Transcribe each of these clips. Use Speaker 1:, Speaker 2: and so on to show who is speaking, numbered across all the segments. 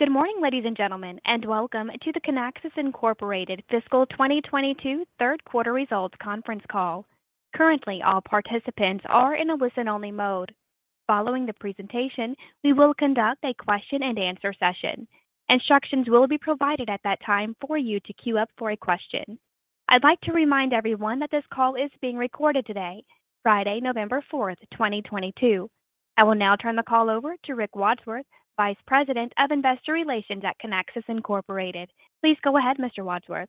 Speaker 1: Good morning, ladies and gentlemen, and welcome to the Kinaxis Inc. Fiscal 2022 third quarter results conference call. Currently, all participants are in a listen-only mode. Following the presentation, we will conduct a question and answer session. Instructions will be provided at that time for you to queue up for a question. I'd like to remind everyone that this call is being recorded today, Friday, November 4th, 2022. I will now turn the call over to Rick Wadsworth, Vice President of Investor Relations at Kinaxis Inc. Please go ahead, Mr. Wadsworth.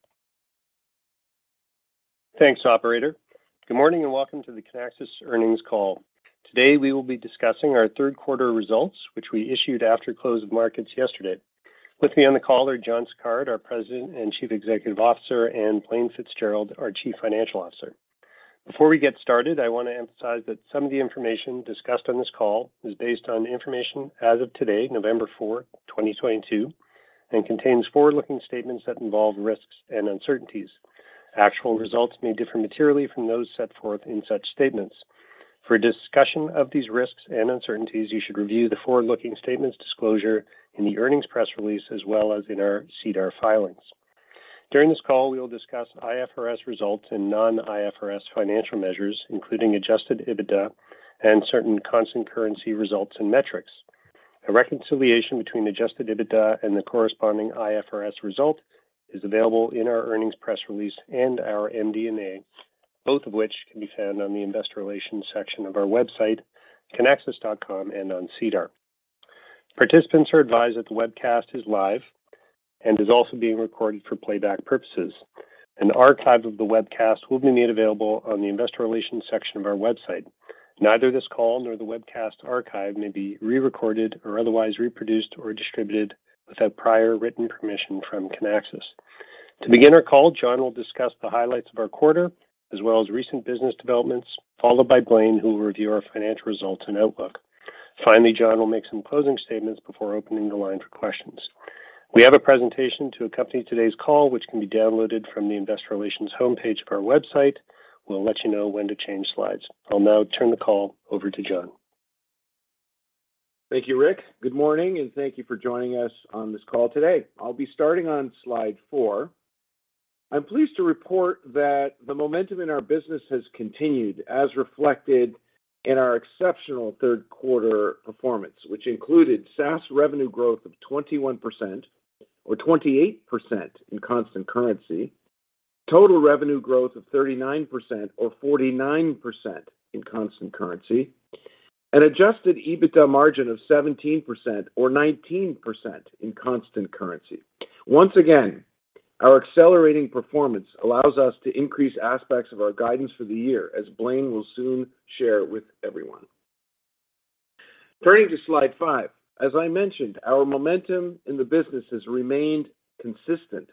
Speaker 2: Thanks, operator. Good morning, and welcome to the Kinaxis earnings call. Today, we will be discussing our third quarter results, which we issued after close of markets yesterday. With me on the call are John Sicard, our President and Chief Executive Officer, and Blaine Fitzgerald, our Chief Financial Officer. Before we get started, I want to emphasize that some of the information discussed on this call is based on information as of today, November 4th, 2022, and contains forward-looking statements that involve risks and uncertainties. Actual results may differ materially from those set forth in such statements. For a discussion of these risks and uncertainties, you should review the forward-looking statements disclosure in the earnings press release as well as in our SEDAR filings. During this call, we will discuss IFRS results and non-IFRS financial measures, including Adjusted EBITDA and certain constant currency results and metrics. A reconciliation between Adjusted EBITDA and the corresponding IFRS result is available in our earnings press release and our MD&A, both of which can be found on the investor relations section of our website, kinaxis.com, and on SEDAR. Participants are advised that the webcast is live and is also being recorded for playback purposes. An archive of the webcast will be made available on the investor relations section of our website. Neither this call nor the webcast archive may be re-recorded or otherwise reproduced or distributed without prior written permission from Kinaxis. To begin our call, John will discuss the highlights of our quarter, as well as recent business developments, followed by Blaine, who will review our financial results and outlook. Finally, John will make some closing statements before opening the line for questions. We have a presentation to accompany today's call, which can be downloaded from the investor relations homepage of our website. We'll let you know when to change slides. I'll now turn the call over to John.
Speaker 3: Thank you, Rick. Good morning, and thank you for joining us on this call today. I'll be starting on slide four. I'm pleased to report that the momentum in our business has continued as reflected in our exceptional third quarter performance, which included SaaS revenue growth of 21% or 28% in constant currency, total revenue growth of 39% or 49% in constant currency, an Adjusted EBITDA margin of 17% or 19% in constant currency. Once again, our accelerating performance allows us to increase aspects of our guidance for the year, as Blaine will soon share with everyone. Turning to slide five, as I mentioned, our momentum in the business has remained consistent.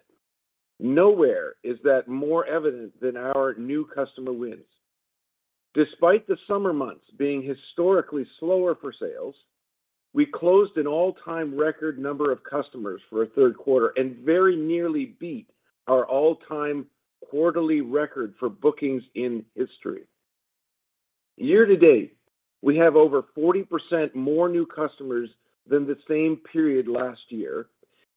Speaker 3: Nowhere is that more evident than our new customer wins. Despite the summer months being historically slower for sales, we closed an all-time record number of customers for a third quarter and very nearly beat our all-time quarterly record for bookings in history. Year to date, we have over 40% more new customers than the same period last year,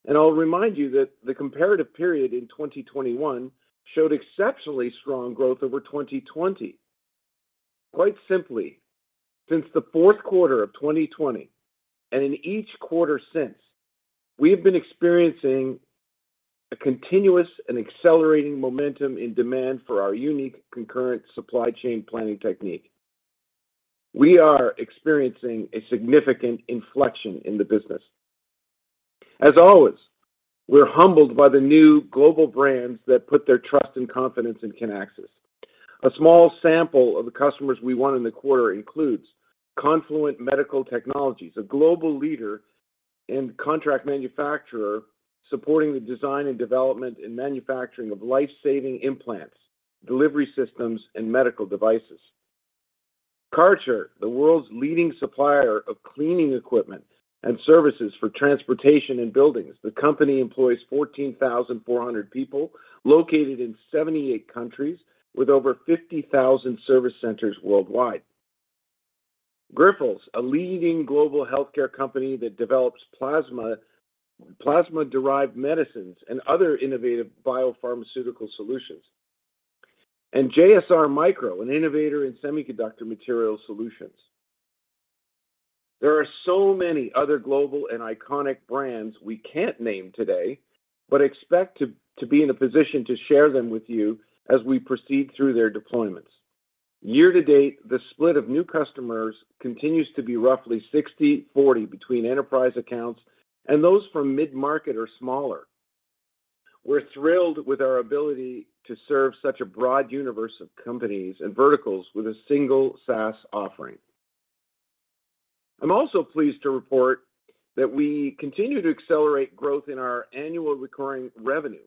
Speaker 3: and I'll remind you that the comparative period in 2021 showed exceptionally strong growth over 2020. Quite simply, since the fourth quarter of 2020, and in each quarter since, we have been experiencing a continuous and accelerating momentum in demand for our unique concurrent supply chain planning technique. We are experiencing a significant inflection in the business. As always, we're humbled by the new global brands that put their trust and confidence in Kinaxis. A small sample of the customers we won in the quarter includes Confluent Medical Technologies, a global leader and contract manufacturer supporting the design and development and manufacturing of life-saving implants, delivery systems, and medical devices. Kärcher, the world's leading supplier of cleaning equipment and services for transportation and buildings. The company employs 14,400 people located in 78 countries with over 50,000 service centers worldwide. Grifols, a leading global healthcare company that develops plasma-derived medicines, and other innovative biopharmaceutical solutions. JSR Micro, an innovator in semiconductor material solutions. There are so many other global and iconic brands we can't name today, but expect to be in a position to share them with you as we proceed through their deployments. Year to date, the split of new customers continues to be roughly 60-40 between enterprise accounts and those from mid-market or smaller. We're thrilled with our ability to serve such a broad universe of companies and verticals with a single SaaS offering. I'm also pleased to report that we continue to accelerate growth in our annual recurring revenue.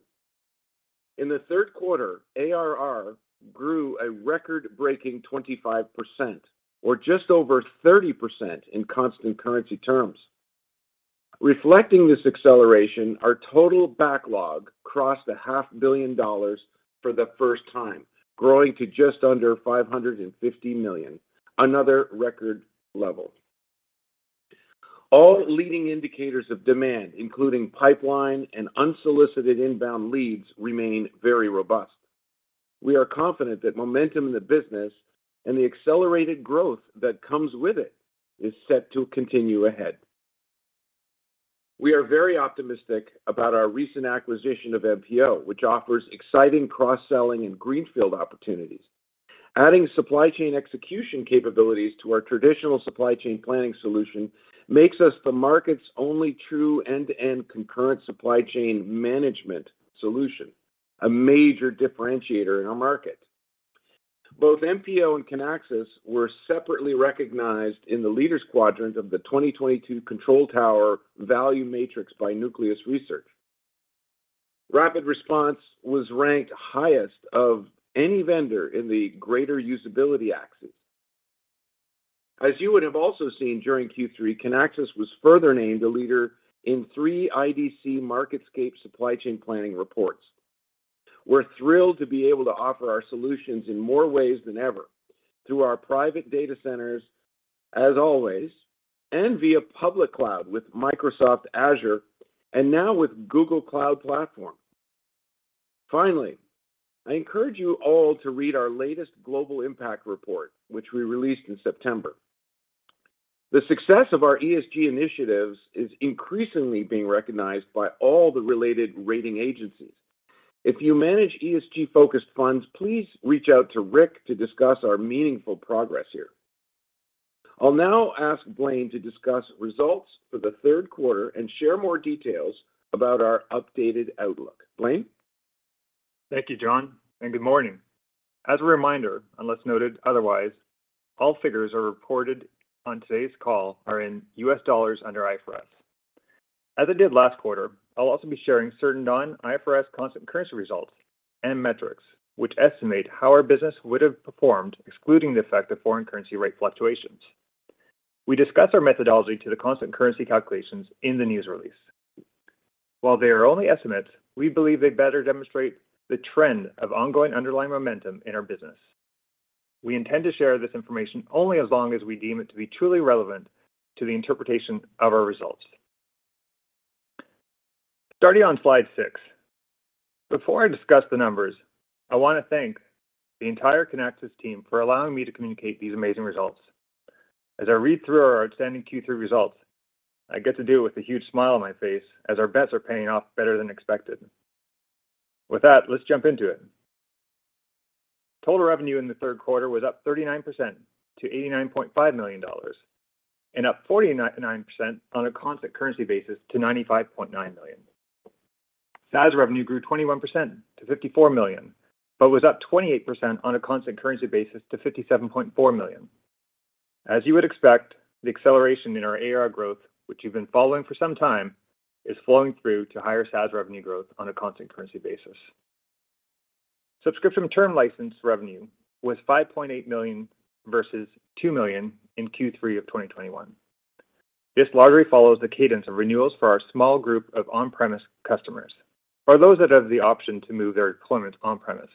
Speaker 3: In the third quarter, ARR grew a record-breaking 25% or just over 30% in constant currency terms. Reflecting this acceleration, our total backlog crossed a half billion dollars for the first time, growing to just under $550 million, another record level. All leading indicators of demand, including pipeline and unsolicited inbound leads, remain very robust. We are confident that momentum in the business and the accelerated growth that comes with it is set to continue ahead. We are very optimistic about our recent acquisition of MPO, which offers exciting cross-selling and greenfield opportunities. Adding supply chain execution capabilities to our traditional supply chain planning solution makes us the market's only true end-to-end concurrent supply chain management solution, a major differentiator in our market. Both MPO and Kinaxis were separately recognized in the leaders quadrant of the 2022 Control Tower Value Matrix by Nucleus Research. RapidResponse was ranked highest of any vendor in the greater usability axis. As you would have also seen during Q3, Kinaxis was further named a leader in three IDC MarketScape supply chain planning reports. We're thrilled to be able to offer our solutions in more ways than ever through our private data centers as always, and via public cloud with Microsoft Azure and now with Google Cloud Platform. Finally, I encourage you all to read our latest Global Impact Report, which we released in September. The success of our ESG initiatives is increasingly being recognized by all the related rating agencies. If you manage ESG-focused funds, please reach out to Rick to discuss our meaningful progress here. I'll now ask Blaine to discuss results for the third quarter and share more details about our updated outlook. Blaine?
Speaker 4: Thank you, John, and good morning. As a reminder, unless noted otherwise, all figures reported on today's call are in US dollars under IFRS. As I did last quarter, I'll also be sharing certain non-IFRS constant currency results and metrics which estimate how our business would have performed excluding the effect of foreign currency rate fluctuations. We discuss our methodology to the constant currency calculations in the news release. While they are only estimates, we believe they better demonstrate the trend of ongoing underlying momentum in our business. We intend to share this information only as long as we deem it to be truly relevant to the interpretation of our results. Starting on slide six. Before I discuss the numbers, I want to thank the entire Kinaxis team for allowing me to communicate these amazing results. As I read through our outstanding Q3 results, I get to do it with a huge smile on my face as our bets are paying off better than expected. With that, let's jump into it. Total revenue in the third quarter was up 39% to $89.5 million and up 49% on a constant currency basis to $95.9 million. SaaS revenue grew 21% to $54 million, but was up 28% on a constant currency basis to $57.4 million. As you would expect, the acceleration in our ARR growth, which you've been following for some time, is flowing through to higher SaaS revenue growth on a constant currency basis. Subscription term license revenue was $5.8 million versus $2 million in Q3 of 2021. This largely follows the cadence of renewals for our small group of on-premise customers or those that have the option to move their deployment on premise,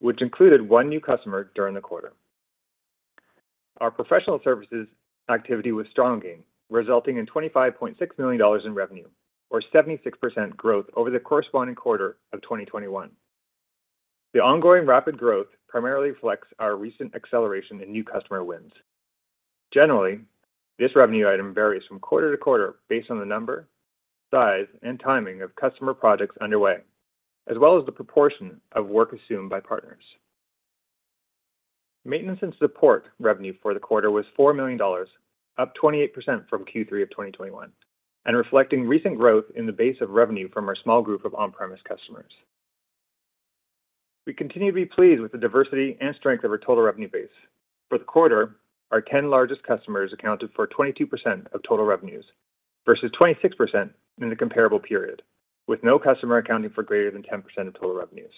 Speaker 4: which included one new customer during the quarter. Our professional services activity was strong again, resulting in $25.6 million in revenue, or 76% growth over the corresponding quarter of 2021. The ongoing rapid growth primarily reflects our recent acceleration in new customer wins. Generally, this revenue item varies from quarter to quarter based on the number, size, and timing of customer projects underway, as well as the proportion of work assumed by partners. Maintenance and support revenue for the quarter was $4 million, up 28% from Q3 of 2021, and reflecting recent growth in the base of revenue from our small group of on-premise customers. We continue to be pleased with the diversity and strength of our total revenue base. For the quarter, our ten largest customers accounted for 22% of total revenues versus 26% in the comparable period, with no customer accounting for greater than 10% of total revenues.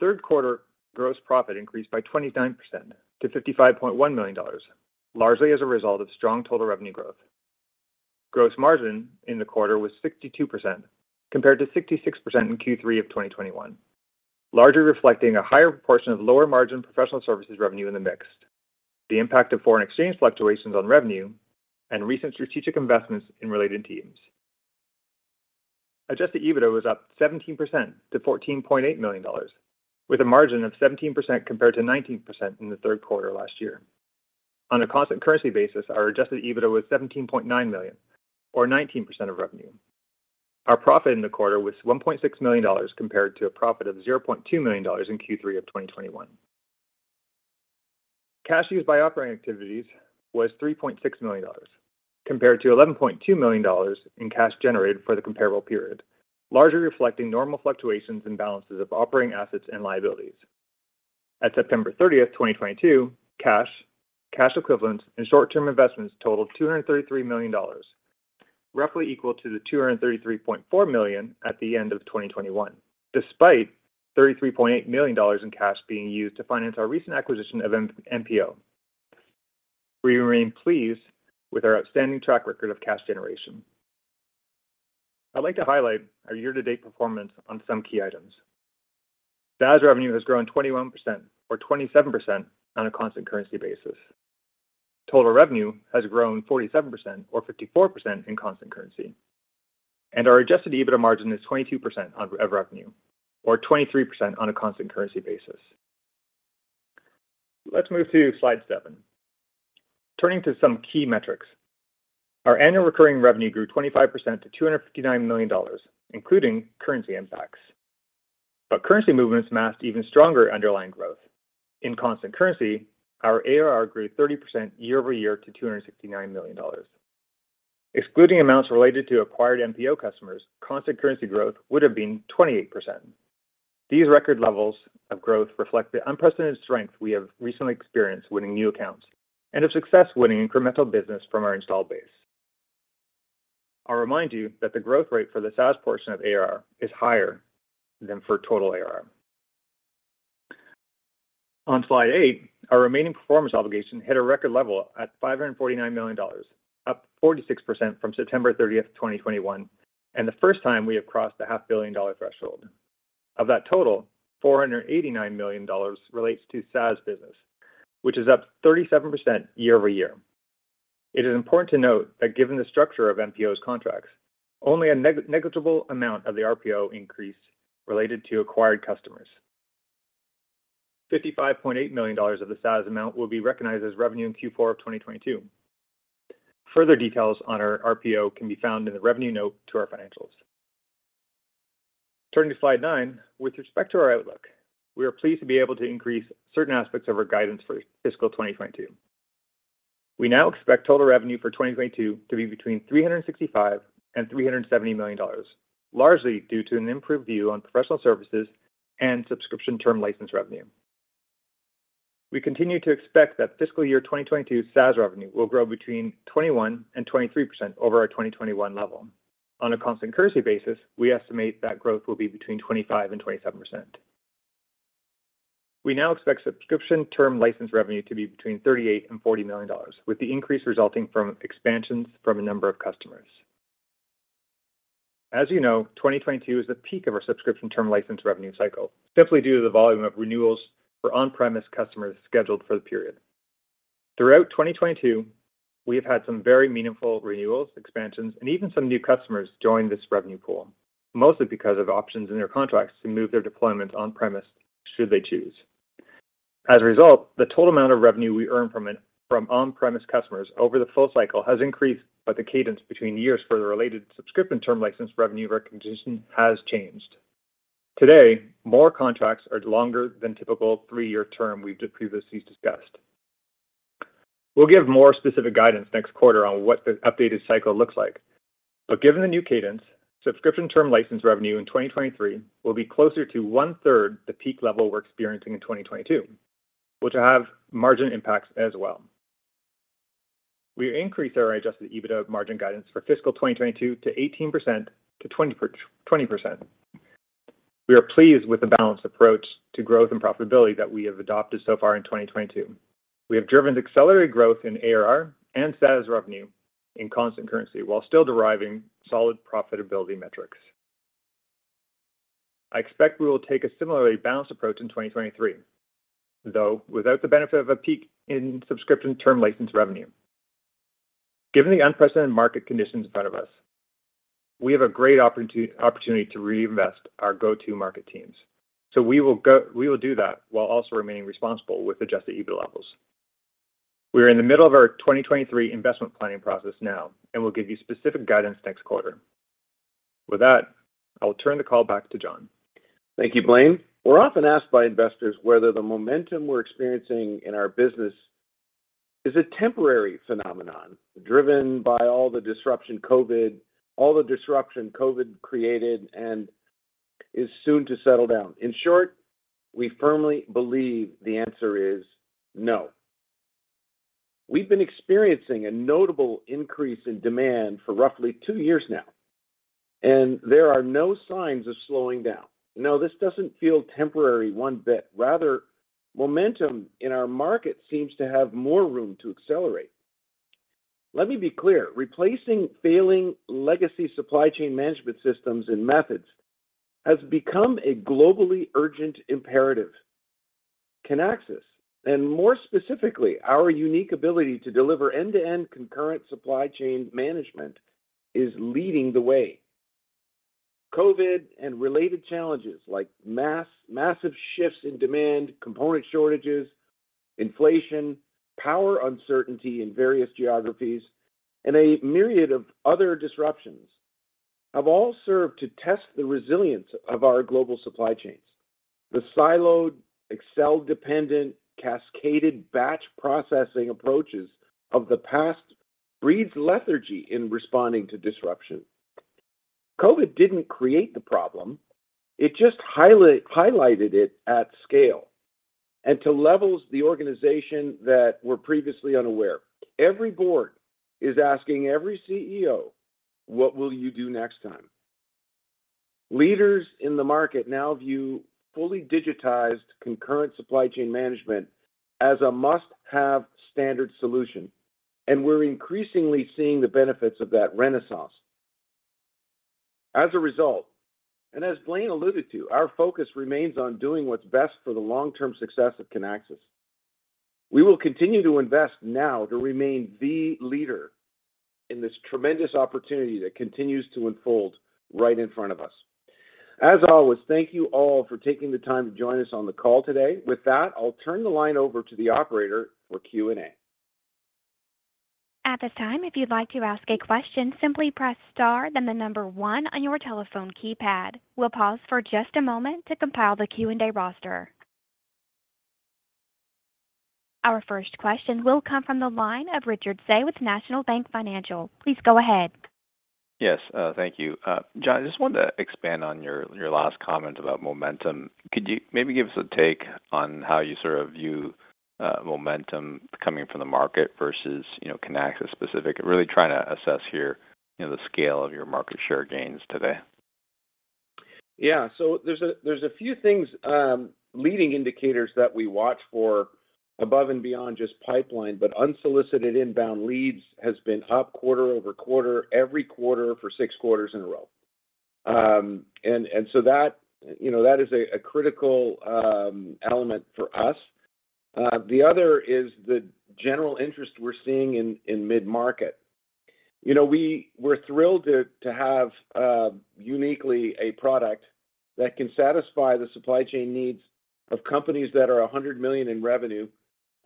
Speaker 4: Third quarter gross profit increased by 29% to $55.1 million, largely as a result of strong total revenue growth. Gross margin in the quarter was 62% compared to 66% in Q3 of 2021, largely reflecting a higher proportion of lower margin professional services revenue in the mix, the impact of foreign exchange fluctuations on revenue, and recent strategic investments in related teams. Adjusted EBITDA was up 17% to $14.8 million, with a margin of 17% compared to 19% in the third quarter last year. On a constant currency basis, our Adjusted EBITDA was $17.9 million or 19% of revenue. Our profit in the quarter was $1.6 million compared to a profit of $0.2 million in Q3 of 2021. Cash used by operating activities was $3.6 million compared to $11.2 million in cash generated for the comparable period, largely reflecting normal fluctuations in balances of operating assets and liabilities. At September 30, 2022, cash equivalents, and short-term investments totaled $233 million, roughly equal to the $233.4 million at the end of 2021, despite $33.8 million in cash being used to finance our recent acquisition of MPO. We remain pleased with our outstanding track record of cash generation. I'd like to highlight our year-to-date performance on some key items. SaaS revenue has grown 21% or 27% on a constant currency basis. Total revenue has grown 47% or 54% in constant currency, and our adjusted EBITDA margin is 22% of revenue, or 23% on a constant currency basis. Let's move to slide seven. Turning to some key metrics. Our annual recurring revenue grew 25% to $259 million, including currency impacts. Currency movements masked even stronger underlying growth. In constant currency, our ARR grew 30% year-over-year to $269 million. Excluding amounts related to acquired MPO customers, constant currency growth would have been 28%. These record levels of growth reflect the unprecedented strength we have recently experienced winning new accounts, and of success winning incremental business from our installed base. I'll remind you that the growth rate for the SaaS portion of ARR is higher than for total ARR. On slide eight, our remaining performance obligation hit a record level at $549 million, up 46% from September 30, 2021, and the first time we have crossed the half billion-dollar threshold. Of that total, $489 million relates to SaaS business, which is up 37% year-over-year. It is important to note that given the structure of MPO's contracts, only a negligible amount of the RPO increase related to acquired customers. $55.8 million of the SaaS amount will be recognized as revenue in Q4 of 2022. Further details on our RPO can be found in the revenue note to our financials. Turning to slide nine, with respect to our outlook, we are pleased to be able to increase certain aspects of our guidance for fiscal 2022. We now expect total revenue for 2022 to be between $365 million and $370 million, largely due to an improved view on professional services and subscription term license revenue. We continue to expect that fiscal year 2022's SaaS revenue will grow between 21% and 23% over our 2021 level. On a constant currency basis, we estimate that growth will be between 25% and 27%. We now expect subscription term license revenue to be between $38 million and $40 million, with the increase resulting from expansions from a number of customers. As you know, 2022 is the peak of our subscription term license revenue cycle, simply due to the volume of renewals for on-premise customers scheduled for the period. Throughout 2022, we have had some very meaningful renewals, expansions, and even some new customers join this revenue pool, mostly because of options in their contracts to move their deployments on-premise should they choose. As a result, the total amount of revenue we earn from on-premise customers over the full cycle has increased, but the cadence between years for the related subscription term license revenue recognition has changed. Today, more contracts are longer than typical 3-year term we've previously discussed. We'll give more specific guidance next quarter on what the updated cycle looks like. Given the new cadence, subscription term license revenue in 2023 will be closer to one-third the peak level we're experiencing in 2022, which will have margin impacts as well. We increased our adjusted EBITDA margin guidance for fiscal 2022 to 18%-20%. We are pleased with the balanced approach to growth and profitability that we have adopted so far in 2022. We have driven accelerated growth in ARR and SaaS revenue in constant currency, while still deriving solid profitability metrics. I expect we will take a similarly balanced approach in 2023, though without the benefit of a peak in subscription term license revenue. Given the unprecedented market conditions in front of us, we have a great opportunity to reinvest our go-to market teams. We will do that while also remaining responsible with adjusted EBITDA levels. We are in the middle of our 2023 investment planning process now, and we'll give you specific guidance next quarter. With that, I will turn the call back to John.
Speaker 3: Thank you, Blaine. We're often asked by investors whether the momentum we're experiencing in our business is a temporary phenomenon, driven by all the disruption COVID created and is soon to settle down. In short, we firmly believe the answer is no. We've been experiencing a notable increase in demand for roughly two years now, and there are no signs of slowing down. No, this doesn't feel temporary one bit. Rather, momentum in our market seems to have more room to accelerate. Let me be clear, replacing failing legacy supply chain management systems and methods has become a globally urgent imperative. Kinaxis, and more specifically, our unique ability to deliver end-to-end concurrent supply chain management, is leading the way. COVID and related challenges like massive shifts in demand, component shortages, inflation, power uncertainty in various geographies, and a myriad of other disruptions have all served to test the resilience of our global supply chains. The siloed, Excel-dependent, cascaded batch processing approaches of the past breeds lethargy in responding to disruption. COVID didn't create the problem. It just highlighted it at scale and to levels the organization that were previously unaware. Every board is asking every CEO, "What will you do next time?" Leaders in the market now view fully digitized concurrent supply chain management as a must-have standard solution, and we're increasingly seeing the benefits of that renaissance. As a result, and as Blaine alluded to, our focus remains on doing what's best for the long-term success of Kinaxis. We will continue to invest now to remain the leader in this tremendous opportunity that continues to unfold right in front of us. As always, thank you all for taking the time to join us on the call today. With that, I'll turn the line over to the operator for Q&A.
Speaker 1: At this time, if you'd like to ask a question, simply press star, then the number 1 on your telephone keypad. We'll pause for just a moment to compile the Q&A roster. Our first question will come from the line of Richard Tse with National Bank Financial. Please go ahead.
Speaker 5: Yes, thank you. John, I just wanted to expand on your last comment about momentum. Could you maybe give us a take on how you sort of view momentum coming from the market versus, you know, Kinaxis specific? Really trying to assess here, you know, the scale of your market share gains today.
Speaker 3: Yeah. There's a few things, leading indicators that we watch for above and beyond just pipeline, but unsolicited inbound leads has been up quarter-over-quarter every quarter for six quarters in a row. That, you know, is a critical element for us. The other is the general interest we're seeing in mid-market. You know, we're thrilled to have uniquely a product that can satisfy the supply chain needs of companies that are $100 million in revenue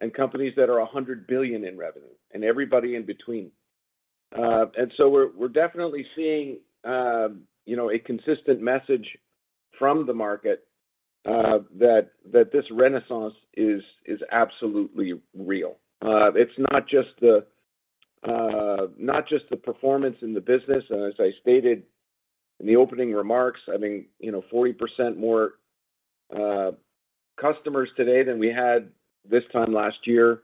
Speaker 3: and companies that are $100 billion in revenue and everybody in between. We're definitely seeing, you know, a consistent message from the market, that this renaissance is absolutely real. It's not just the performance in the business, as I stated in the opening remarks, I mean, you know, 40% more customers today than we had this time last year,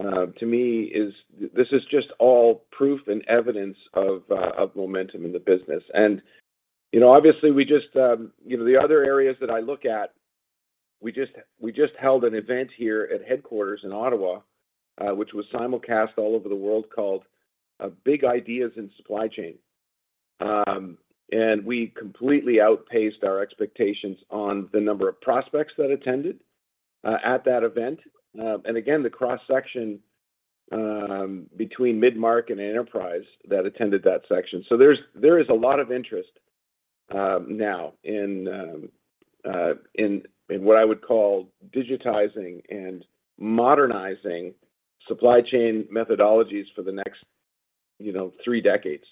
Speaker 3: to me is. This is just all proof and evidence of momentum in the business. You know, obviously we just, you know, the other areas that I look at, we just held an event here at headquarters in Ottawa, which was simulcast all over the world, called Big Ideas in Supply Chain. We completely outpaced our expectations on the number of prospects that attended at that event. Again, the cross-section between mid-market and enterprise that attended that section. There is a lot of interest now in what I would call digitizing and modernizing supply chain methodologies for the next, you know, three decades.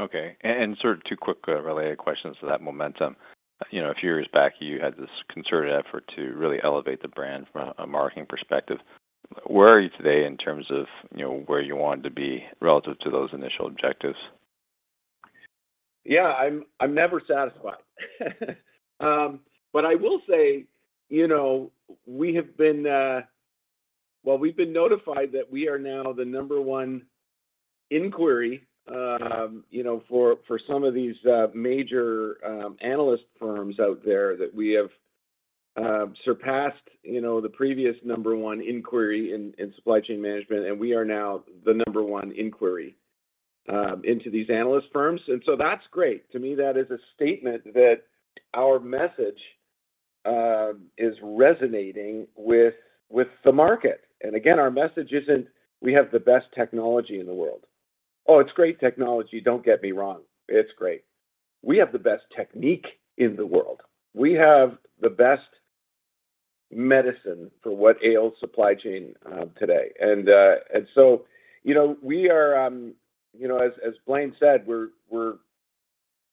Speaker 5: Okay. Sort of two quick related questions to that momentum. You know, a few years back, you had this concerted effort to really elevate the brand from a marketing perspective. Where are you today in terms of, you know, where you want to be relative to those initial objectives?
Speaker 3: Yeah, I'm never satisfied. I will say, you know, Well, we've been notified that we are now the number one inquiry, you know, for some of these major analyst firms out there, that we have surpassed, you know, the previous number one inquiry in supply chain management, and we are now the number one inquiry into these analyst firms. That's great. To me, that is a statement that our message is resonating with the market. Again, our message isn't we have the best technology in the world. Oh, it's great technology. Don't get me wrong. It's great. We have the best technique in the world. We have the best medicine for what ails supply chain today. You know, we are, you know, as Blaine said, we're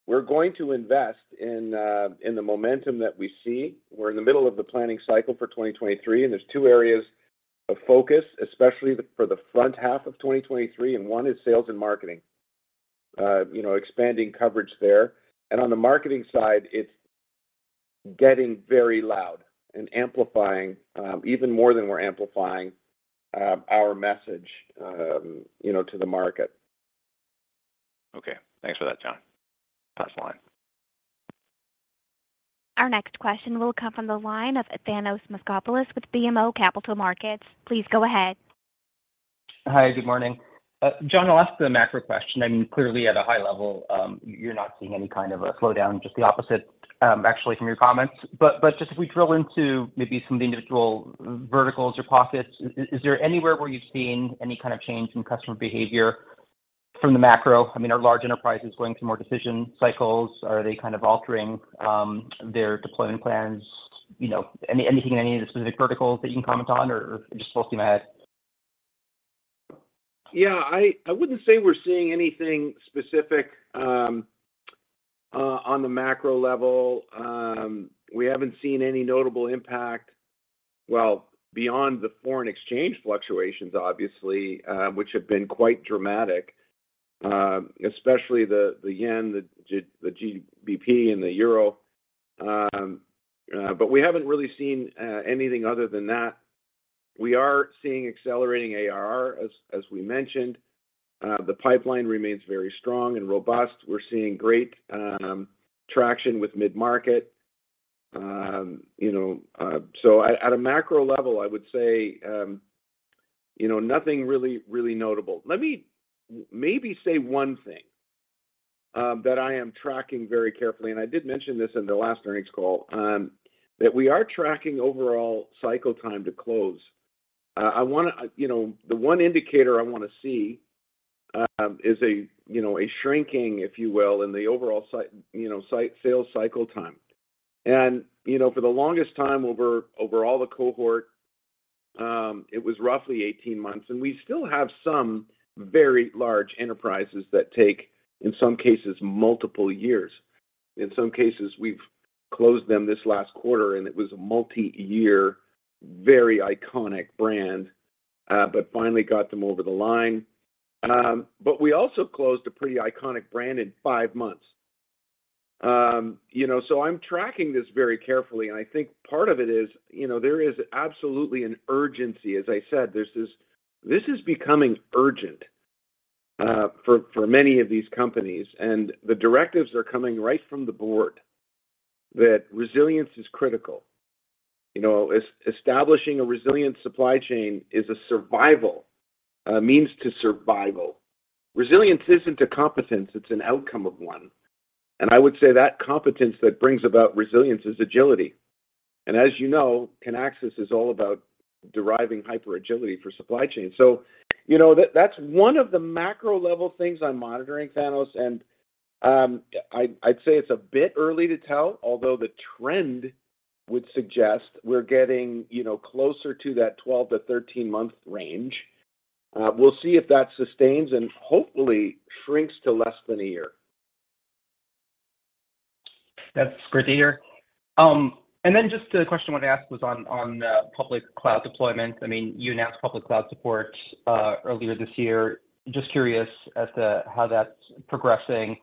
Speaker 3: going to invest in the momentum that we see. We're in the middle of the planning cycle for 2023, and there's two areas of focus, especially for the front half of 2023, and one is sales and marketing. You know, expanding coverage there. On the marketing side, it's getting very loud and amplifying even more than we're amplifying our message, you know, to the market.
Speaker 5: Okay. Thanks for that, John. Pass the line.
Speaker 1: Our next question will come from the line of Thanos Moschopoulos with BMO Capital Markets. Please go ahead.
Speaker 6: Hi, good morning. John, I'll ask the macro question. I mean, clearly at a high level, you're not seeing any kind of a slowdown, just the opposite, actually from your comments. Just if we drill into maybe some of the individual verticals or pockets, is there anywhere where you've seen any kind of change in customer behavior from the macro? I mean, are large enterprises going through more decision cycles? Are they kind of altering their deployment plans? You know, anything in any of the specific verticals that you can comment on or just full steam ahead?
Speaker 3: I wouldn't say we're seeing anything specific on the macro level. We haven't seen any notable impact, well, beyond the foreign exchange fluctuations, obviously, which have been quite dramatic, especially the yen, the GBP, and the euro. We haven't really seen anything other than that. We are seeing accelerating ARR as we mentioned. The pipeline remains very strong and robust. We're seeing great traction with mid-market. You know, at a macro level, I would say, you know, nothing really notable. Let me maybe say one thing that I am tracking very carefully, and I did mention this in the last earnings call, that we are tracking overall cycle time to close. I wanna—you know, the one indicator I wanna see is a shrinking, if you will, in the overall sales cycle time. For the longest time over all the cohort, it was roughly 18 months, and we still have some very large enterprises that take, in some cases, multiple years. In some cases, we've closed them this last quarter, and it was a multi-year, very iconic brand, but finally got them over the line. I'm tracking this very carefully, and I think part of it is there is absolutely an urgency. As I said, this is becoming urgent for many of these companies. The directives are coming right from the board that resilience is critical. You know, establishing a resilient supply chain is a survival means to survival. Resilience isn't a competence, it's an outcome of one, and I would say that competence that brings about resilience is agility. As you know, Kinaxis is all about deriving hyper-agility for supply chain. You know, that's one of the macro level things I'm monitoring, Thanos, and I'd say it's a bit early to tell, although the trend would suggest we're getting, you know, closer to that 12 month-13-month range. We'll see if that sustains and hopefully shrinks to less than a year.
Speaker 6: That's great to hear. Just a question I wanted to ask was on public cloud deployment. I mean, you announced public cloud support earlier this year. Just curious as to how that's progressing.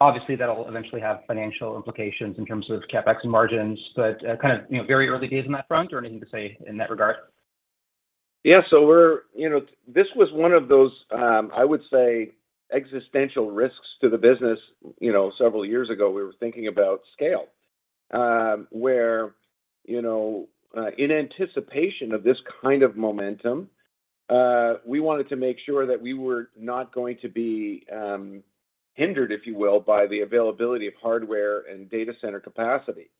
Speaker 6: Obviously, that'll eventually have financial implications in terms of CapEx and margins, but kind of, you know, very early days on that front or anything to say in that regard?
Speaker 3: Yeah. You know, this was one of those, I would say, existential risks to the business. You know, several years ago, we were thinking about scale, where, you know, in anticipation of this kind of momentum, we wanted to make sure that we were not going to be hindered, if you will, by the availability of hardware and data center capacity.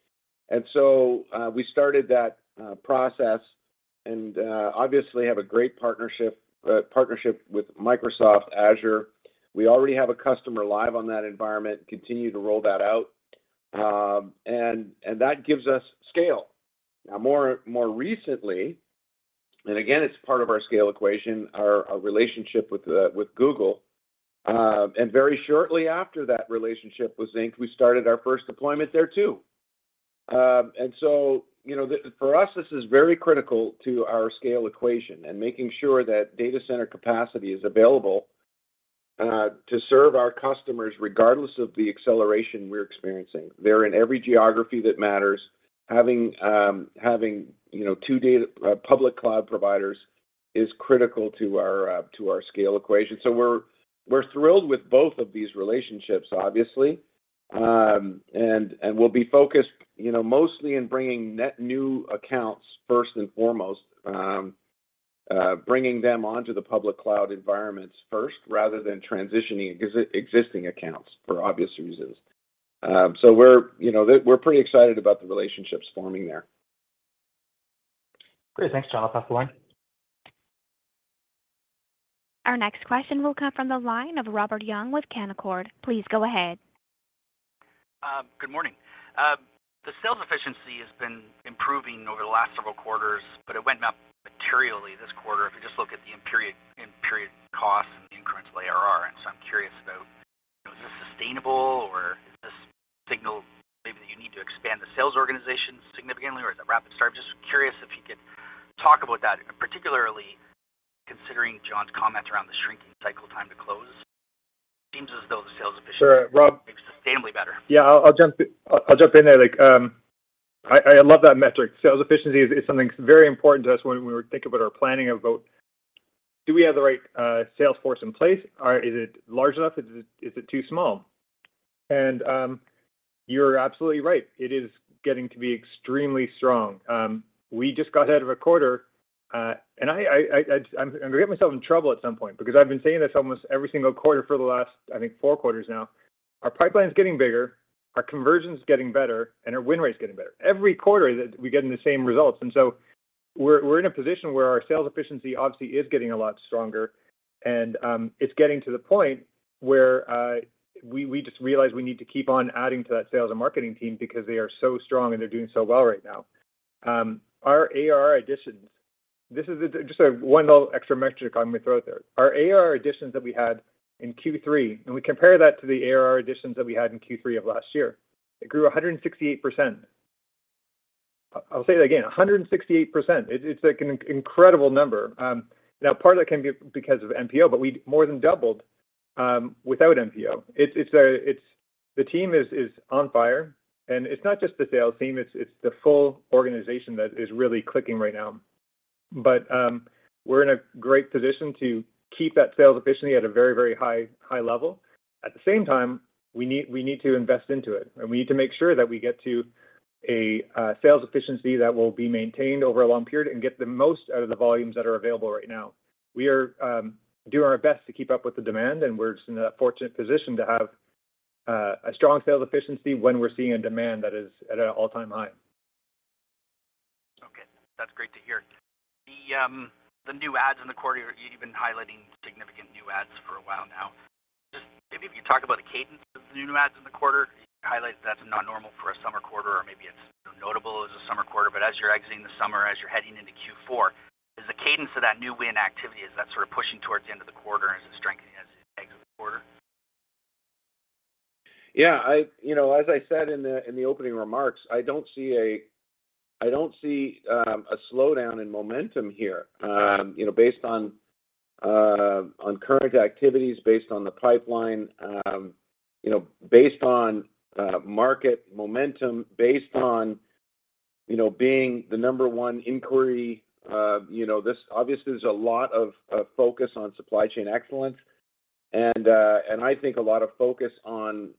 Speaker 3: We started that process and obviously have a great partnership with Microsoft Azure. We already have a customer live on that environment, continue to roll that out, and that gives us scale. Now more recently, and again, it's part of our scale equation, our relationship with Google, and very shortly after that relationship was inked, we started our first deployment there too. You know, for us, this is very critical to our scale equation and making sure that data center capacity is available to serve our customers regardless of the acceleration we're experiencing. They're in every geography that matters. Having, you know, two public cloud providers is critical to our scale equation. We're thrilled with both of these relationships, obviously. We'll be focused, you know, mostly in bringing net new accounts first and foremost, bringing them onto the public cloud environments first rather than transitioning existing accounts for obvious reasons. You know, we're pretty excited about the relationships forming there.
Speaker 6: Great. Thanks, John. I'll pass the line.
Speaker 1: Our next question will come from the line of Robert Young with Canaccord. Please go ahead.
Speaker 7: Good morning. The sales efficiency has been improving over the last several quarters, but it went up materially this quarter if you just look at the in period, in period costs and the incremental ARR. I'm curious about, you know, is this sustainable, or is this signal maybe that you need to expand the sales organization significantly, or is it rapid start? Just curious if you could talk about that, and particularly considering John's comments around the shrinking cycle time to close, it seems as though the sales efficiency
Speaker 4: Sure.
Speaker 7: is sustainably better.
Speaker 4: Yeah. I'll jump in there. Like, I love that metric. Sales efficiency is something that's very important to us when we think about our planning about do we have the right sales force in place, or is it large enough? Is it too small? You're absolutely right. It is getting to be extremely strong. We just got out of a quarter, and I'm gonna get myself in trouble at some point because I've been saying this almost every single quarter for the last, I think, four quarters now. Our pipeline's getting bigger, our conversion's getting better, and our win rate's getting better. Every quarter that we're getting the same results. We're in a position where our sales efficiency obviously is getting a lot stronger, and it's getting to the point where we just realize we need to keep on adding to that sales and marketing team because they are so strong, and they're doing so well right now. Our ARR additions, this is just a one little extra metric I'm gonna throw out there. Our ARR additions that we had in Q3, and we compare that to the ARR additions that we had in Q3 of last year. It grew 168%. I'll say that again, 168%. It's like an incredible number. Now part of that can be because of MPO, but we more than doubled. Without MPO. The team is on fire, and it's not just the sales team, it's the full organization that is really clicking right now. We're in a great position to keep that sales efficiency at a very high level. At the same time, we need to invest into it, and we need to make sure that we get to a sales efficiency that will be maintained over a long period and get the most out of the volumes that are available right now. We are doing our best to keep up with the demand, and we're just in a fortunate position to have a strong sales efficiency when we're seeing a demand that is at an all-time high.
Speaker 7: Okay. That's great to hear. The new adds in the quarter, you've been highlighting significant new adds for a while now. Just maybe if you talk about the cadence of the new adds in the quarter, you highlight that's not normal for a summer quarter or maybe it's notable as a summer quarter, but as you're exiting the summer, as you're heading into Q4, is the cadence of that new win activity sort of pushing towards the end of the quarter? Is it strengthening as it exits the quarter?
Speaker 3: Yeah, you know, as I said in the opening remarks, I don't see a slowdown in momentum here. You know, based on current activities, based on the pipeline, you know, based on market momentum, based on, you know, being the number one inquiry, you know, this obviously is a lot of focus on supply chain excellence and I think a lot of focus on,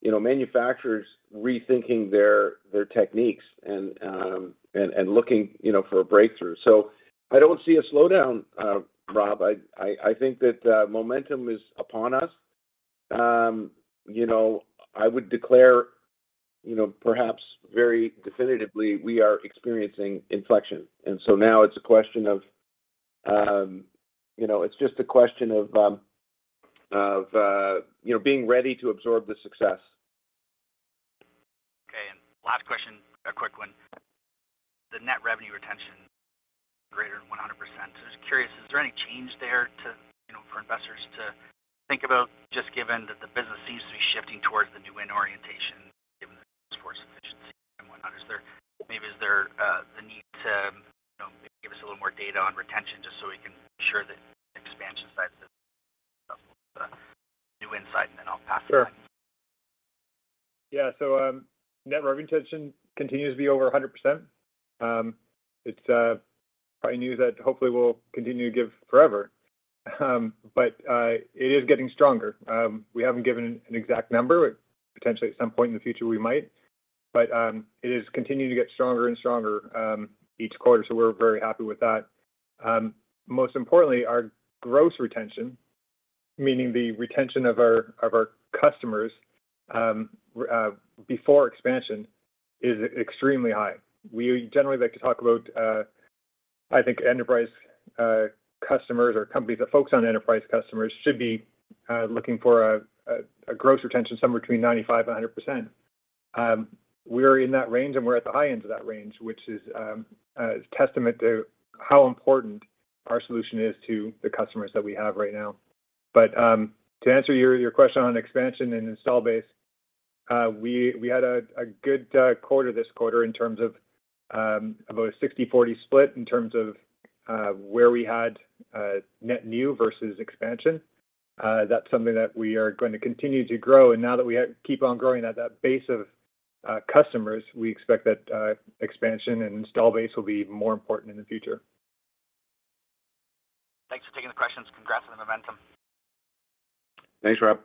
Speaker 3: you know, manufacturers rethinking their techniques and looking, you know, for a breakthrough. I don't see a slowdown, Rob. I think that momentum is upon us. You know, I would declare, you know, perhaps very definitively, we are experiencing inflection. Now it's just a question of, you know, being ready to absorb the success.
Speaker 7: Okay. Last question, a quick one. The net revenue retention greater than 100%. Just curious, is there any change there to, you know, for investors to think about just given that the business seems to be shifting towards the new win orientation, given the sales force efficiency and whatnot? Is there maybe the need to, you know, maybe give us a little more data on retention just so we can ensure that expansion side of the do insight and then I'll pass through.
Speaker 4: Yeah. Net revenue retention continues to be over 100%. It's probably news that hopefully will continue to give forever. It is getting stronger. We haven't given an exact number. Potentially, at some point in the future, we might. It is continuing to get stronger and stronger each quarter. We're very happy with that. Most importantly, our gross retention, meaning the retention of our customers before expansion, is extremely high. We generally like to talk about, I think, enterprise customers or companies that focus on enterprise customers should be looking for a gross retention somewhere between 95%-100%. We're in that range, and we're at the high end of that range, which is a testament to how important our solution is to the customers that we have right now. To answer your question on expansion and installed base, we had a good quarter this quarter in terms of about a 60/40 split in terms of where we had net new versus expansion. That's something that we are going to continue to grow. Now that we keep on growing at that base of customers, we expect that expansion and installed base will be more important in the future.
Speaker 7: Thanks for taking the questions. Congrats on the momentum.
Speaker 3: Thanks, Rob.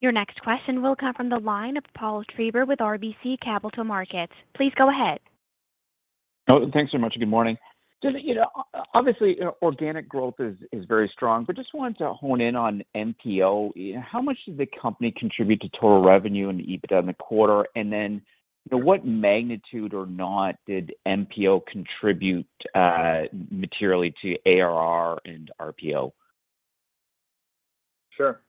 Speaker 1: Your next question will come from the line of Paul Treiber with RBC Capital Markets. Please go ahead.
Speaker 8: Oh, thanks so much. Good morning. You know, obviously, organic growth is very strong, but just wanted to hone in on MPO. How much does the company contribute to total revenue and EBITDA in the quarter? Then, you know, what magnitude or not did MPO contribute materially to ARR and RPO?
Speaker 4: Sure.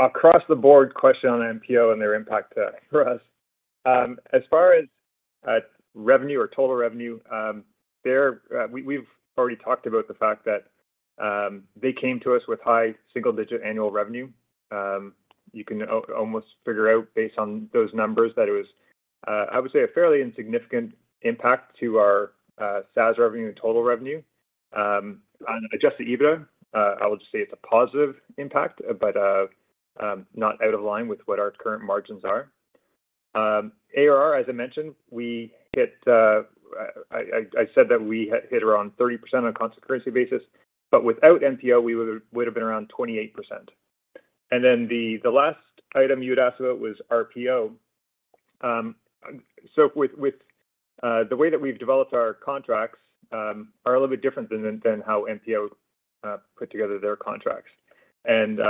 Speaker 4: Across the board question on MPO and their impact for us. As far as revenue or total revenue, we've already talked about the fact that they came to us with high single-digit annual revenue. You can almost figure out based on those numbers that it was, I would say, a fairly insignificant impact to our SaaS revenue and total revenue. On Adjusted EBITDA, I would say it's a positive impact, but not out of line with what our current margins are. ARR, as I mentioned, we hit around 30% on a constant currency basis, but without MPO, we would have been around 28%. Then the last item you'd asked about was RPO. With the way that we've developed our contracts, are a little bit different than how MPO put together their contracts.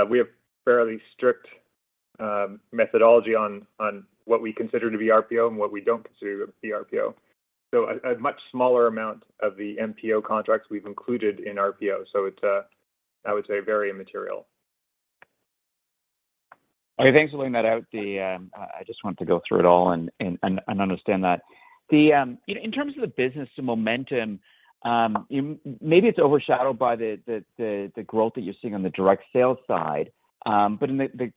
Speaker 4: We have fairly strict methodology on what we consider to be RPO and what we don't consider to be RPO. A much smaller amount of the MPO contracts we've included in RPO. It's, I would say, very immaterial.
Speaker 8: Okay. Thanks for laying that out. I just wanted to go through it all and understand that. You know, in terms of the business, the momentum, maybe it's overshadowed by the growth that you're seeing on the direct sales side. In the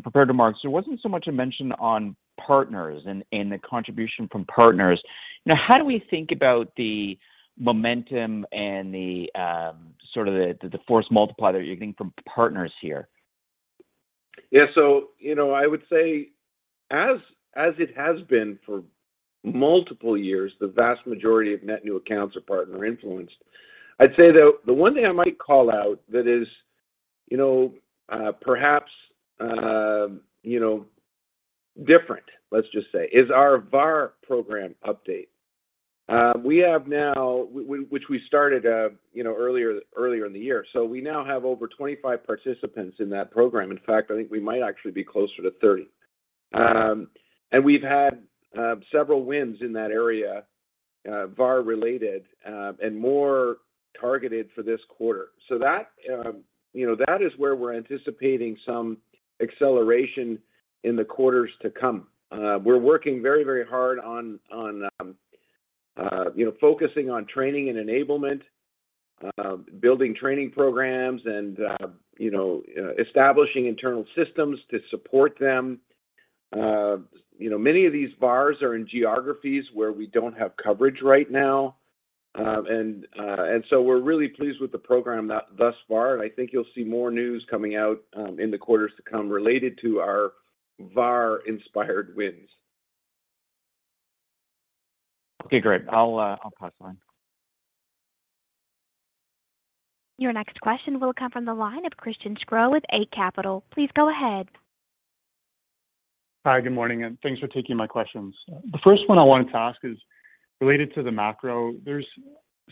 Speaker 8: prepared remarks, there wasn't so much a mention on partners and the contribution from partners. Now, how do we think about the momentum and the sort of force multiplier you're getting from partners here?
Speaker 3: Yeah. You know, I would say as it has been for multiple years, the vast majority of net new accounts are partner influenced. I'd say the one thing I might call out that is, you know, perhaps, you know, different, let's just say, is our VAR program update. Which we started, you know, earlier in the year. We now have over 25 participants in that program. In fact, I think we might actually be closer to 30. We've had several wins in that area, VAR related, and more targeted for this quarter. That is where we're anticipating some acceleration in the quarters to come. We're working very, very hard on, you know, focusing on training and enablement, building training programs and, you know, establishing internal systems to support them. You know, many of these VARs are in geographies where we don't have coverage right now. We're really pleased with the program thus far, and I think you'll see more news coming out in the quarters to come related to our VAR inspired wins.
Speaker 8: Okay, great. I'll pass the line.
Speaker 1: Your next question will come from the line of Christian Sgro with Eight Capital. Please go ahead.
Speaker 9: Hi, good morning, and thanks for taking my questions. The first one I wanted to ask is related to the macro. There's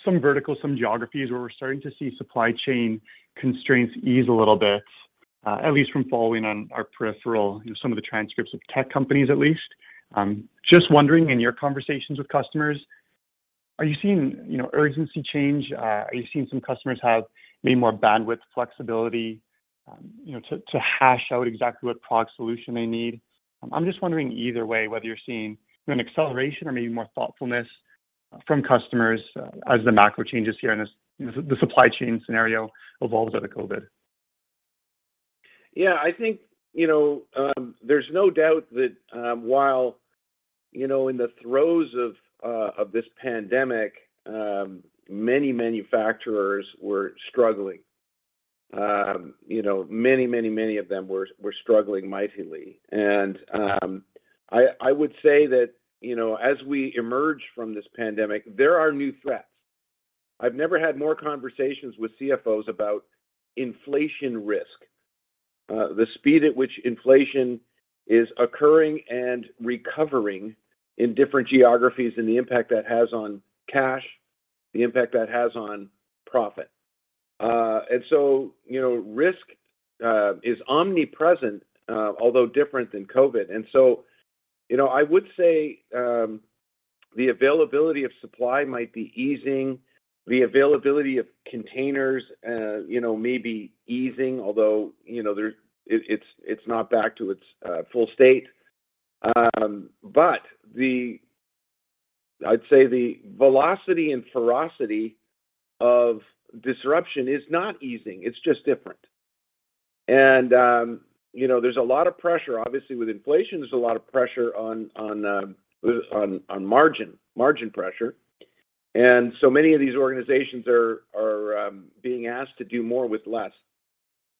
Speaker 9: some verticals, some geographies where we're starting to see supply chain constraints ease a little bit, at least from following on our peripheral, you know, some of the transcripts of tech companies at least. Just wondering in your conversations with customers, are you seeing, you know, urgency change? Are you seeing some customers have maybe more bandwidth flexibility, you know, to hash out exactly what product solution they need? I'm just wondering either way whether you're seeing an acceleration or maybe more thoughtfulness from customers as the macro changes here and the supply chain scenario evolves out of COVID.
Speaker 3: Yeah. I think, you know, there's no doubt that, while, you know, in the throes of this pandemic, many manufacturers were struggling. You know, many of them were struggling mightily. I would say that, you know, as we emerge from this pandemic, there are new threats. I've never had more conversations with CFOs about inflation risk, the speed at which inflation is occurring and recovering in different geographies and the impact that has on cash, the impact that has on profit. So, you know, risk is omnipresent, although different than COVID. I would say, the availability of supply might be easing. The availability of containers, you know, may be easing, although, you know, it's not back to its full state. I'd say the velocity and ferocity of disruption is not easing. It's just different. You know, there's a lot of pressure, obviously with inflation, there's a lot of pressure on margin pressure. Many of these organizations are being asked to do more with less.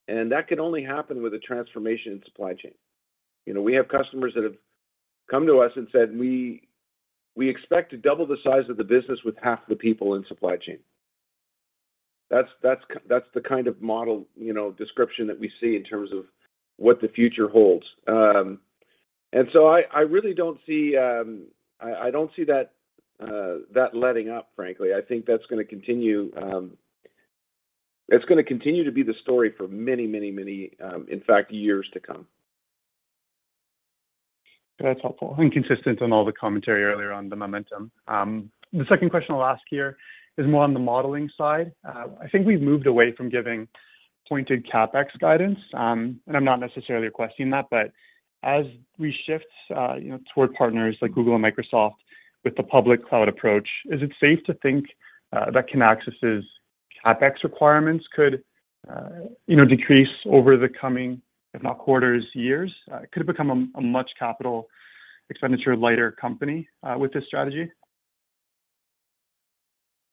Speaker 3: That can only happen with a transformation in supply chain. You know, we have customers that have come to us and said, "We expect to double the size of the business with half the people in supply chain." That's the kind of model, you know, description that we see in terms of what the future holds. I really don't see that letting up, frankly. I think that's gonna continue. It's gonna continue to be the story for many, in fact, years to come.
Speaker 9: That's helpful and consistent on all the commentary earlier on the momentum. The second question I'll ask here is more on the modeling side. I think we've moved away from giving pointed CapEx guidance. I'm not necessarily requesting that, but as we shift, you know, toward partners like Google and Microsoft with the public cloud approach, is it safe to think that Kinaxis' CapEx requirements could, you know, decrease over the coming, if not quarters, years? Could it become a much capital expenditure lighter company with this strategy?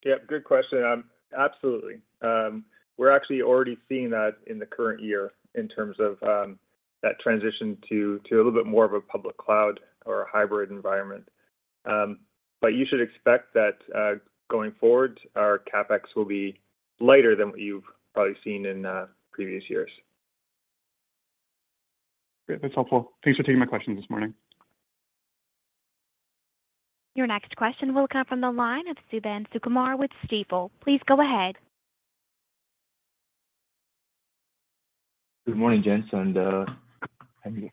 Speaker 4: Yeah. Good question. Absolutely. We're actually already seeing that in the current year in terms of that transition to a little bit more of a public cloud or a hybrid environment. You should expect that going forward, our CapEx will be lighter than what you've probably seen in previous years.
Speaker 9: Great. That's helpful. Thanks for taking my questions this morning.
Speaker 1: Your next question will come from the line of Suthan Sukumar with Stifel. Please go ahead.
Speaker 10: Good morning, gents, and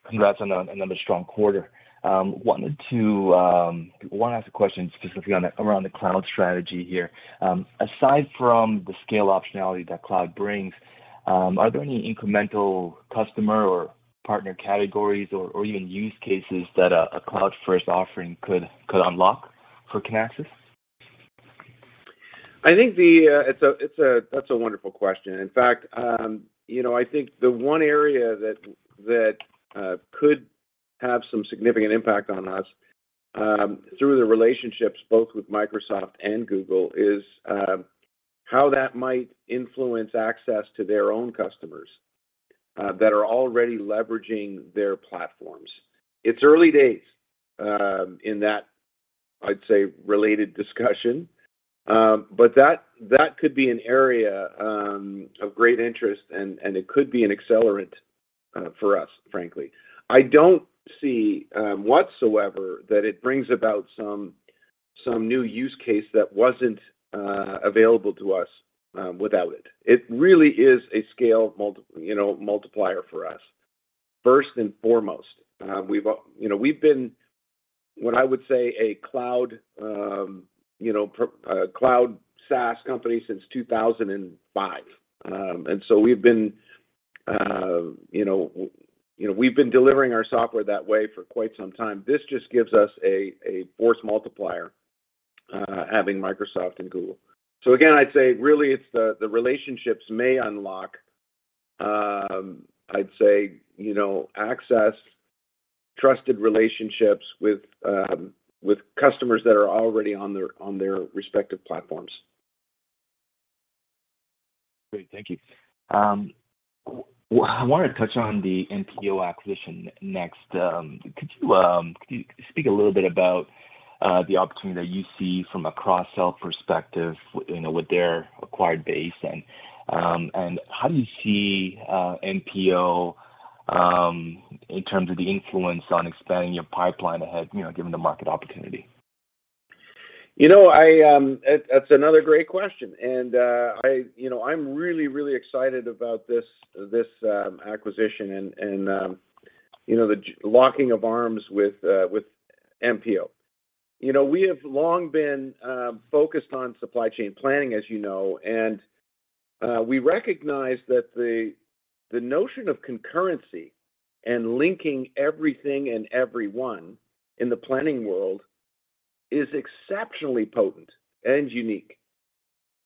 Speaker 10: congrats on another strong quarter. Wanna ask a question specifically around the cloud strategy here. Aside from the scale optionality that cloud brings, are there any incremental customer or partner categories or even use cases that a cloud-first offering could unlock for Kinaxis?
Speaker 3: I think that's a wonderful question. In fact, you know, I think the one area that could have some significant impact on us, through the relationships both with Microsoft and Google, is how that might influence access to their own customers that are already leveraging their platforms. It's early days in that, I'd say, related discussion. That could be an area of great interest and it could be an accelerant for us, frankly. I don't see whatsoever that it brings about some new use case that wasn't available to us without it. It really is a scale multiplier for us. First and foremost, you know, we've been what I would say a cloud SaaS company since 2005. We've been delivering our software that way for quite some time. This just gives us a force multiplier having Microsoft and Google. Again, I'd say really it's the relationships may unlock, I'd say, you know, access trusted relationships with customers that are already on their respective platforms.
Speaker 10: Great. Thank you. I wanted to touch on the MPO acquisition next. Could you speak a little bit about the opportunity that you see from a cross-sell perspective, you know, with their acquired base? How do you see MPO in terms of the influence on expanding your pipeline ahead, you know, given the market opportunity?
Speaker 3: You know, that's another great question. You know, I'm really excited about this acquisition and the locking of arms with MPO. You know, we have long been focused on supply chain planning, as you know, and we recognize that the notion of concurrency and linking everything and everyone in the planning world is exceptionally potent and unique.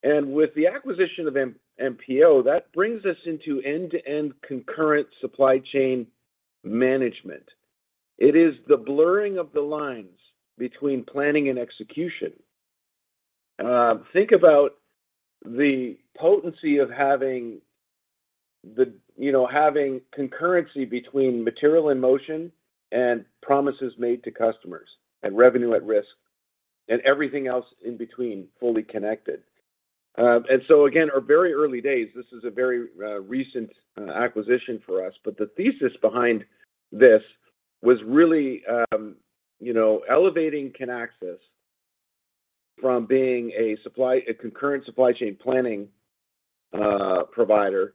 Speaker 3: With the acquisition of MPO, that brings us into end-to-end concurrent supply chain management. It is the blurring of the lines between planning and execution. Think about the potency of having concurrency between material in motion and promises made to customers, and revenue at risk, and everything else in between fully connected. Again, our very early days, this is a very recent acquisition for us. The thesis behind this was really, you know, elevating Kinaxis from being a concurrent supply chain planning provider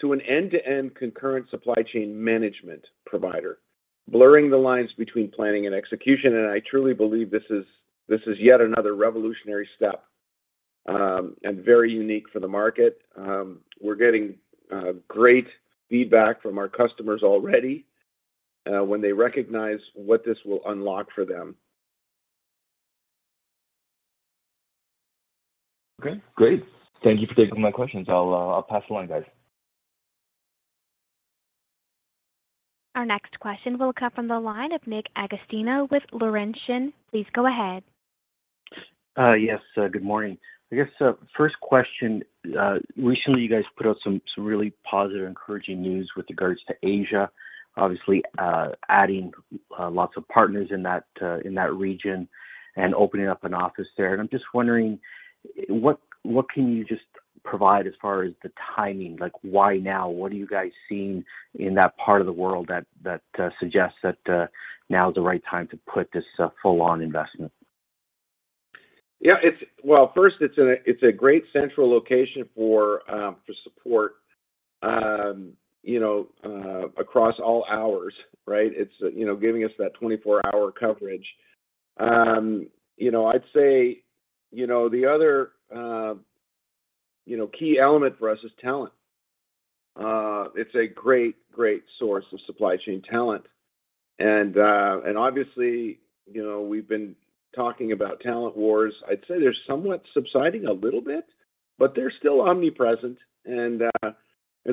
Speaker 3: to an end-to-end concurrent supply chain management provider, blurring the lines between planning and execution. I truly believe this is yet another revolutionary step and very unique for the market. We're getting great feedback from our customers already when they recognize what this will unlock for them.
Speaker 10: Okay, great. Thank you for taking my questions. I'll pass the line, guys.
Speaker 1: Our next question will come from the line of Nick Agostino with Laurentian. Please go ahead.
Speaker 11: Yes. Good morning. I guess first question. Recently you guys put out some really positive, encouraging news with regards to Asia, obviously adding lots of partners in that region and opening up an office there. I'm just wondering, what can you just provide as far as the timing? Like why now? What are you guys seeing in that part of the world that suggests that now is the right time to put this full on investment?
Speaker 3: Well, first it's a great central location for support, you know, across all hours, right? It's giving us that 24-hour coverage. You know, I'd say, you know, the other, you know, key element for us is talent. It's a great source of supply chain talent. Obviously, you know, we've been talking about talent wars. I'd say they're somewhat subsiding a little bit, but they're still omnipresent.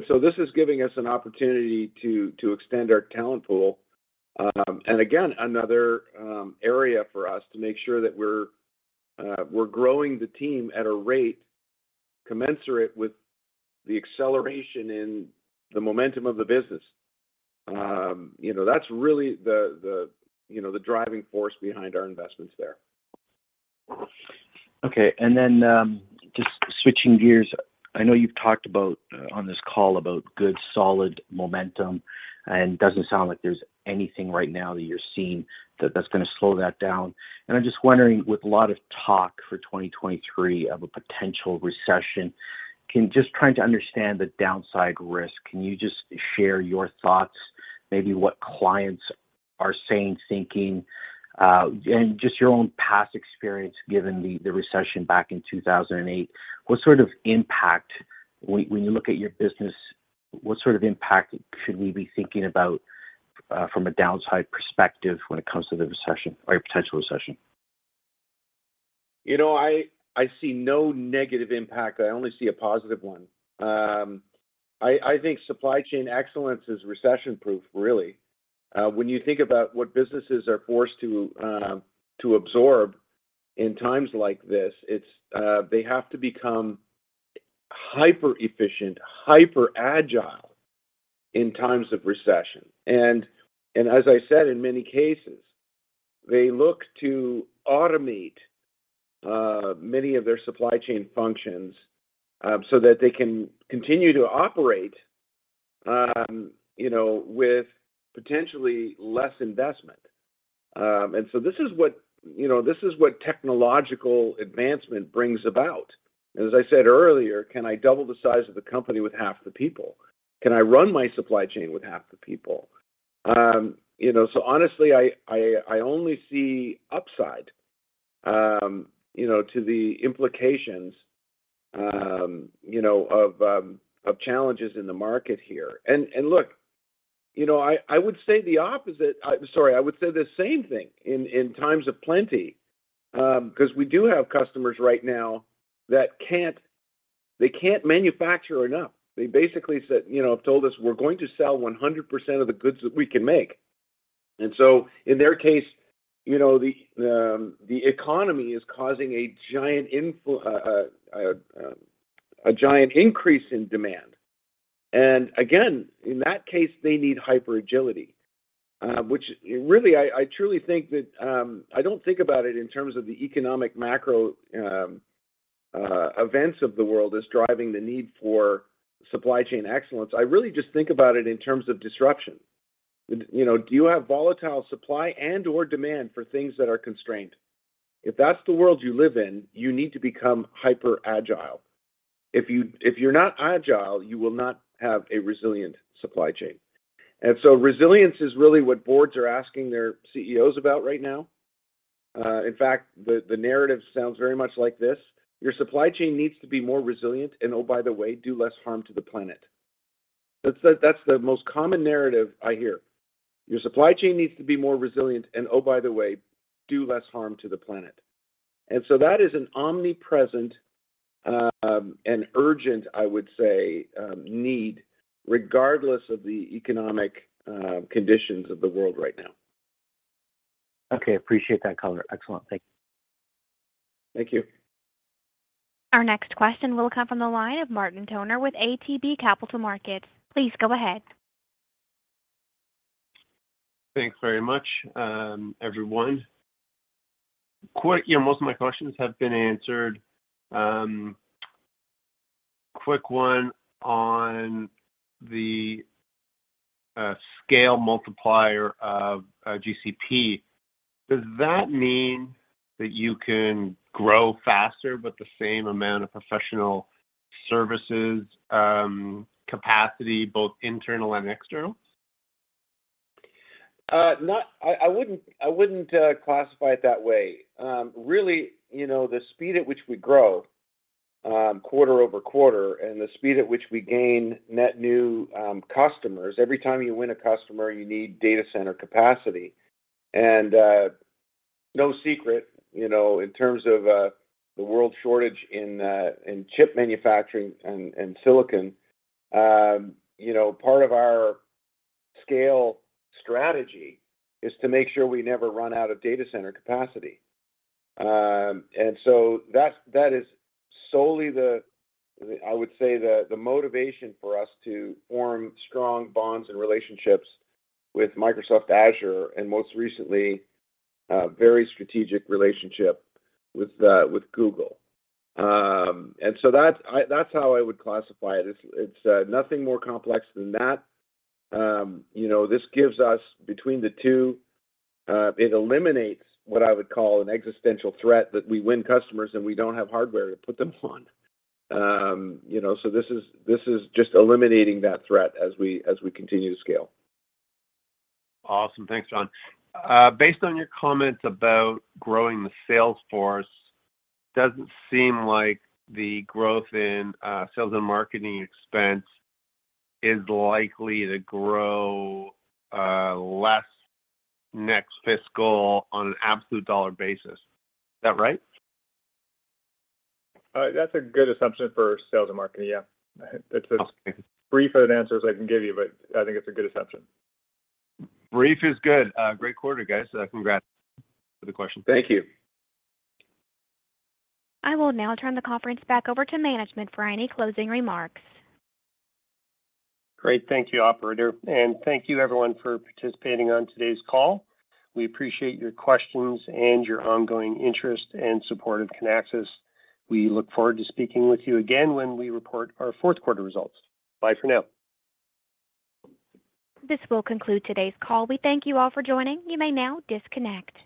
Speaker 3: So this is giving us an opportunity to extend our talent pool. And again, another area for us to make sure that we're growing the team at a rate commensurate with the acceleration in the momentum of the business. You know, that's really the driving force behind our investments there.
Speaker 11: Okay. Just switching gears, I know you've talked about on this call about good, solid momentum, and it doesn't sound like there's anything right now that's gonna slow that down. I'm just wondering, with a lot of talk for 2023 of a potential recession, just trying to understand the downside risk, can you just share your thoughts? Maybe what clients are saying, thinking, and just your own past experience, given the recession back in 2008. What sort of impact? When you look at your business, what sort of impact should we be thinking about from a downside perspective when it comes to the recession or a potential recession?
Speaker 3: You know, I see no negative impact. I only see a positive one. I think supply chain excellence is recession-proof really. When you think about what businesses are forced to absorb in times like this, they have to become hyper efficient, hyper agile in times of recession. As I said, in many cases, they look to automate many of their supply chain functions so that they can continue to operate, you know, with potentially less investment. This is what, you know, this is what technological advancement brings about. As I said earlier, can I double the size of the company with half the people? Can I run my supply chain with half the people? You know, honestly, I only see upside, you know, to the implications, you know, of challenges in the market here. Look, you know, I would say the opposite. Sorry, I would say the same thing in times of plenty, 'cause we do have customers right now that can't manufacture enough. They basically, you know, have told us, "We're going to sell 100% of the goods that we can make." In their case, you know, the economy is causing a giant increase in demand. Again, in that case, they need hyper agility, which really I truly think that I don't think about it in terms of the economic macro events of the world as driving the need for supply chain excellence. I really just think about it in terms of disruption. You know, do you have volatile supply and/or demand for things that are constrained? If that's the world you live in, you need to become hyper agile. If you, if you're not agile, you will not have a resilient supply chain. Resilience is really what boards are asking their CEOs about right now. In fact, the narrative sounds very much like this: "Your supply chain needs to be more resilient and, oh, by the way, do less harm to the planet." That's the most common narrative I hear. Your supply chain needs to be more resilient and, oh, by the way, do less harm to the planet." That is an omnipresent and urgent, I would say, need, regardless of the economic conditions of the world right now.
Speaker 11: Okay. Appreciate that color. Excellent. Thank you.
Speaker 3: Thank you.
Speaker 1: Our next question will come from the line of Martin Toner with ATB Capital Markets. Please go ahead.
Speaker 12: Thanks very much, everyone. Quick. You know, most of my questions have been answered. Quick one on the scale multiplier of GCP. Does that mean that you can grow faster, but the same amount of professional services capacity, both internal and external?
Speaker 3: I wouldn't classify it that way. Really, you know, the speed at which we grow quarter-over-quarter, and the speed at which we gain net new customers, every time you win a customer, you need data center capacity. No secret, you know, in terms of the world shortage in chip manufacturing and silicon, you know, part of our scale strategy is to make sure we never run out of data center capacity. That is solely the motivation for us to form strong bonds and relationships with Microsoft Azure, and most recently, a very strategic relationship with Google. That's how I would classify it. It's nothing more complex than that. You know, this gives us between the two. It eliminates what I would call an existential threat that we win customers, and we don't have hardware to put them on. You know, this is just eliminating that threat as we continue to scale.
Speaker 12: Awesome. Thanks, John. Based on your comments about growing the sales force, doesn't seem like the growth in sales and marketing expense is likely to grow less next fiscal on an absolute dollar basis. Is that right?
Speaker 4: That's a good assumption for sales and marketing, yeah.
Speaker 12: Okay
Speaker 4: As brief an answer as I can give you, but I think it's a good assumption.
Speaker 12: Brief is good. Great quarter, guys. Congrats. Good question.
Speaker 3: Thank you.
Speaker 1: I will now turn the conference back over to management for any closing remarks.
Speaker 3: Great. Thank you, operator, and thank you everyone for participating on today's call. We appreciate your questions and your ongoing interest and support of Kinaxis. We look forward to speaking with you again when we report our fourth quarter results. Bye for now.
Speaker 1: This will conclude today's call. We thank you all for joining. You may now disconnect.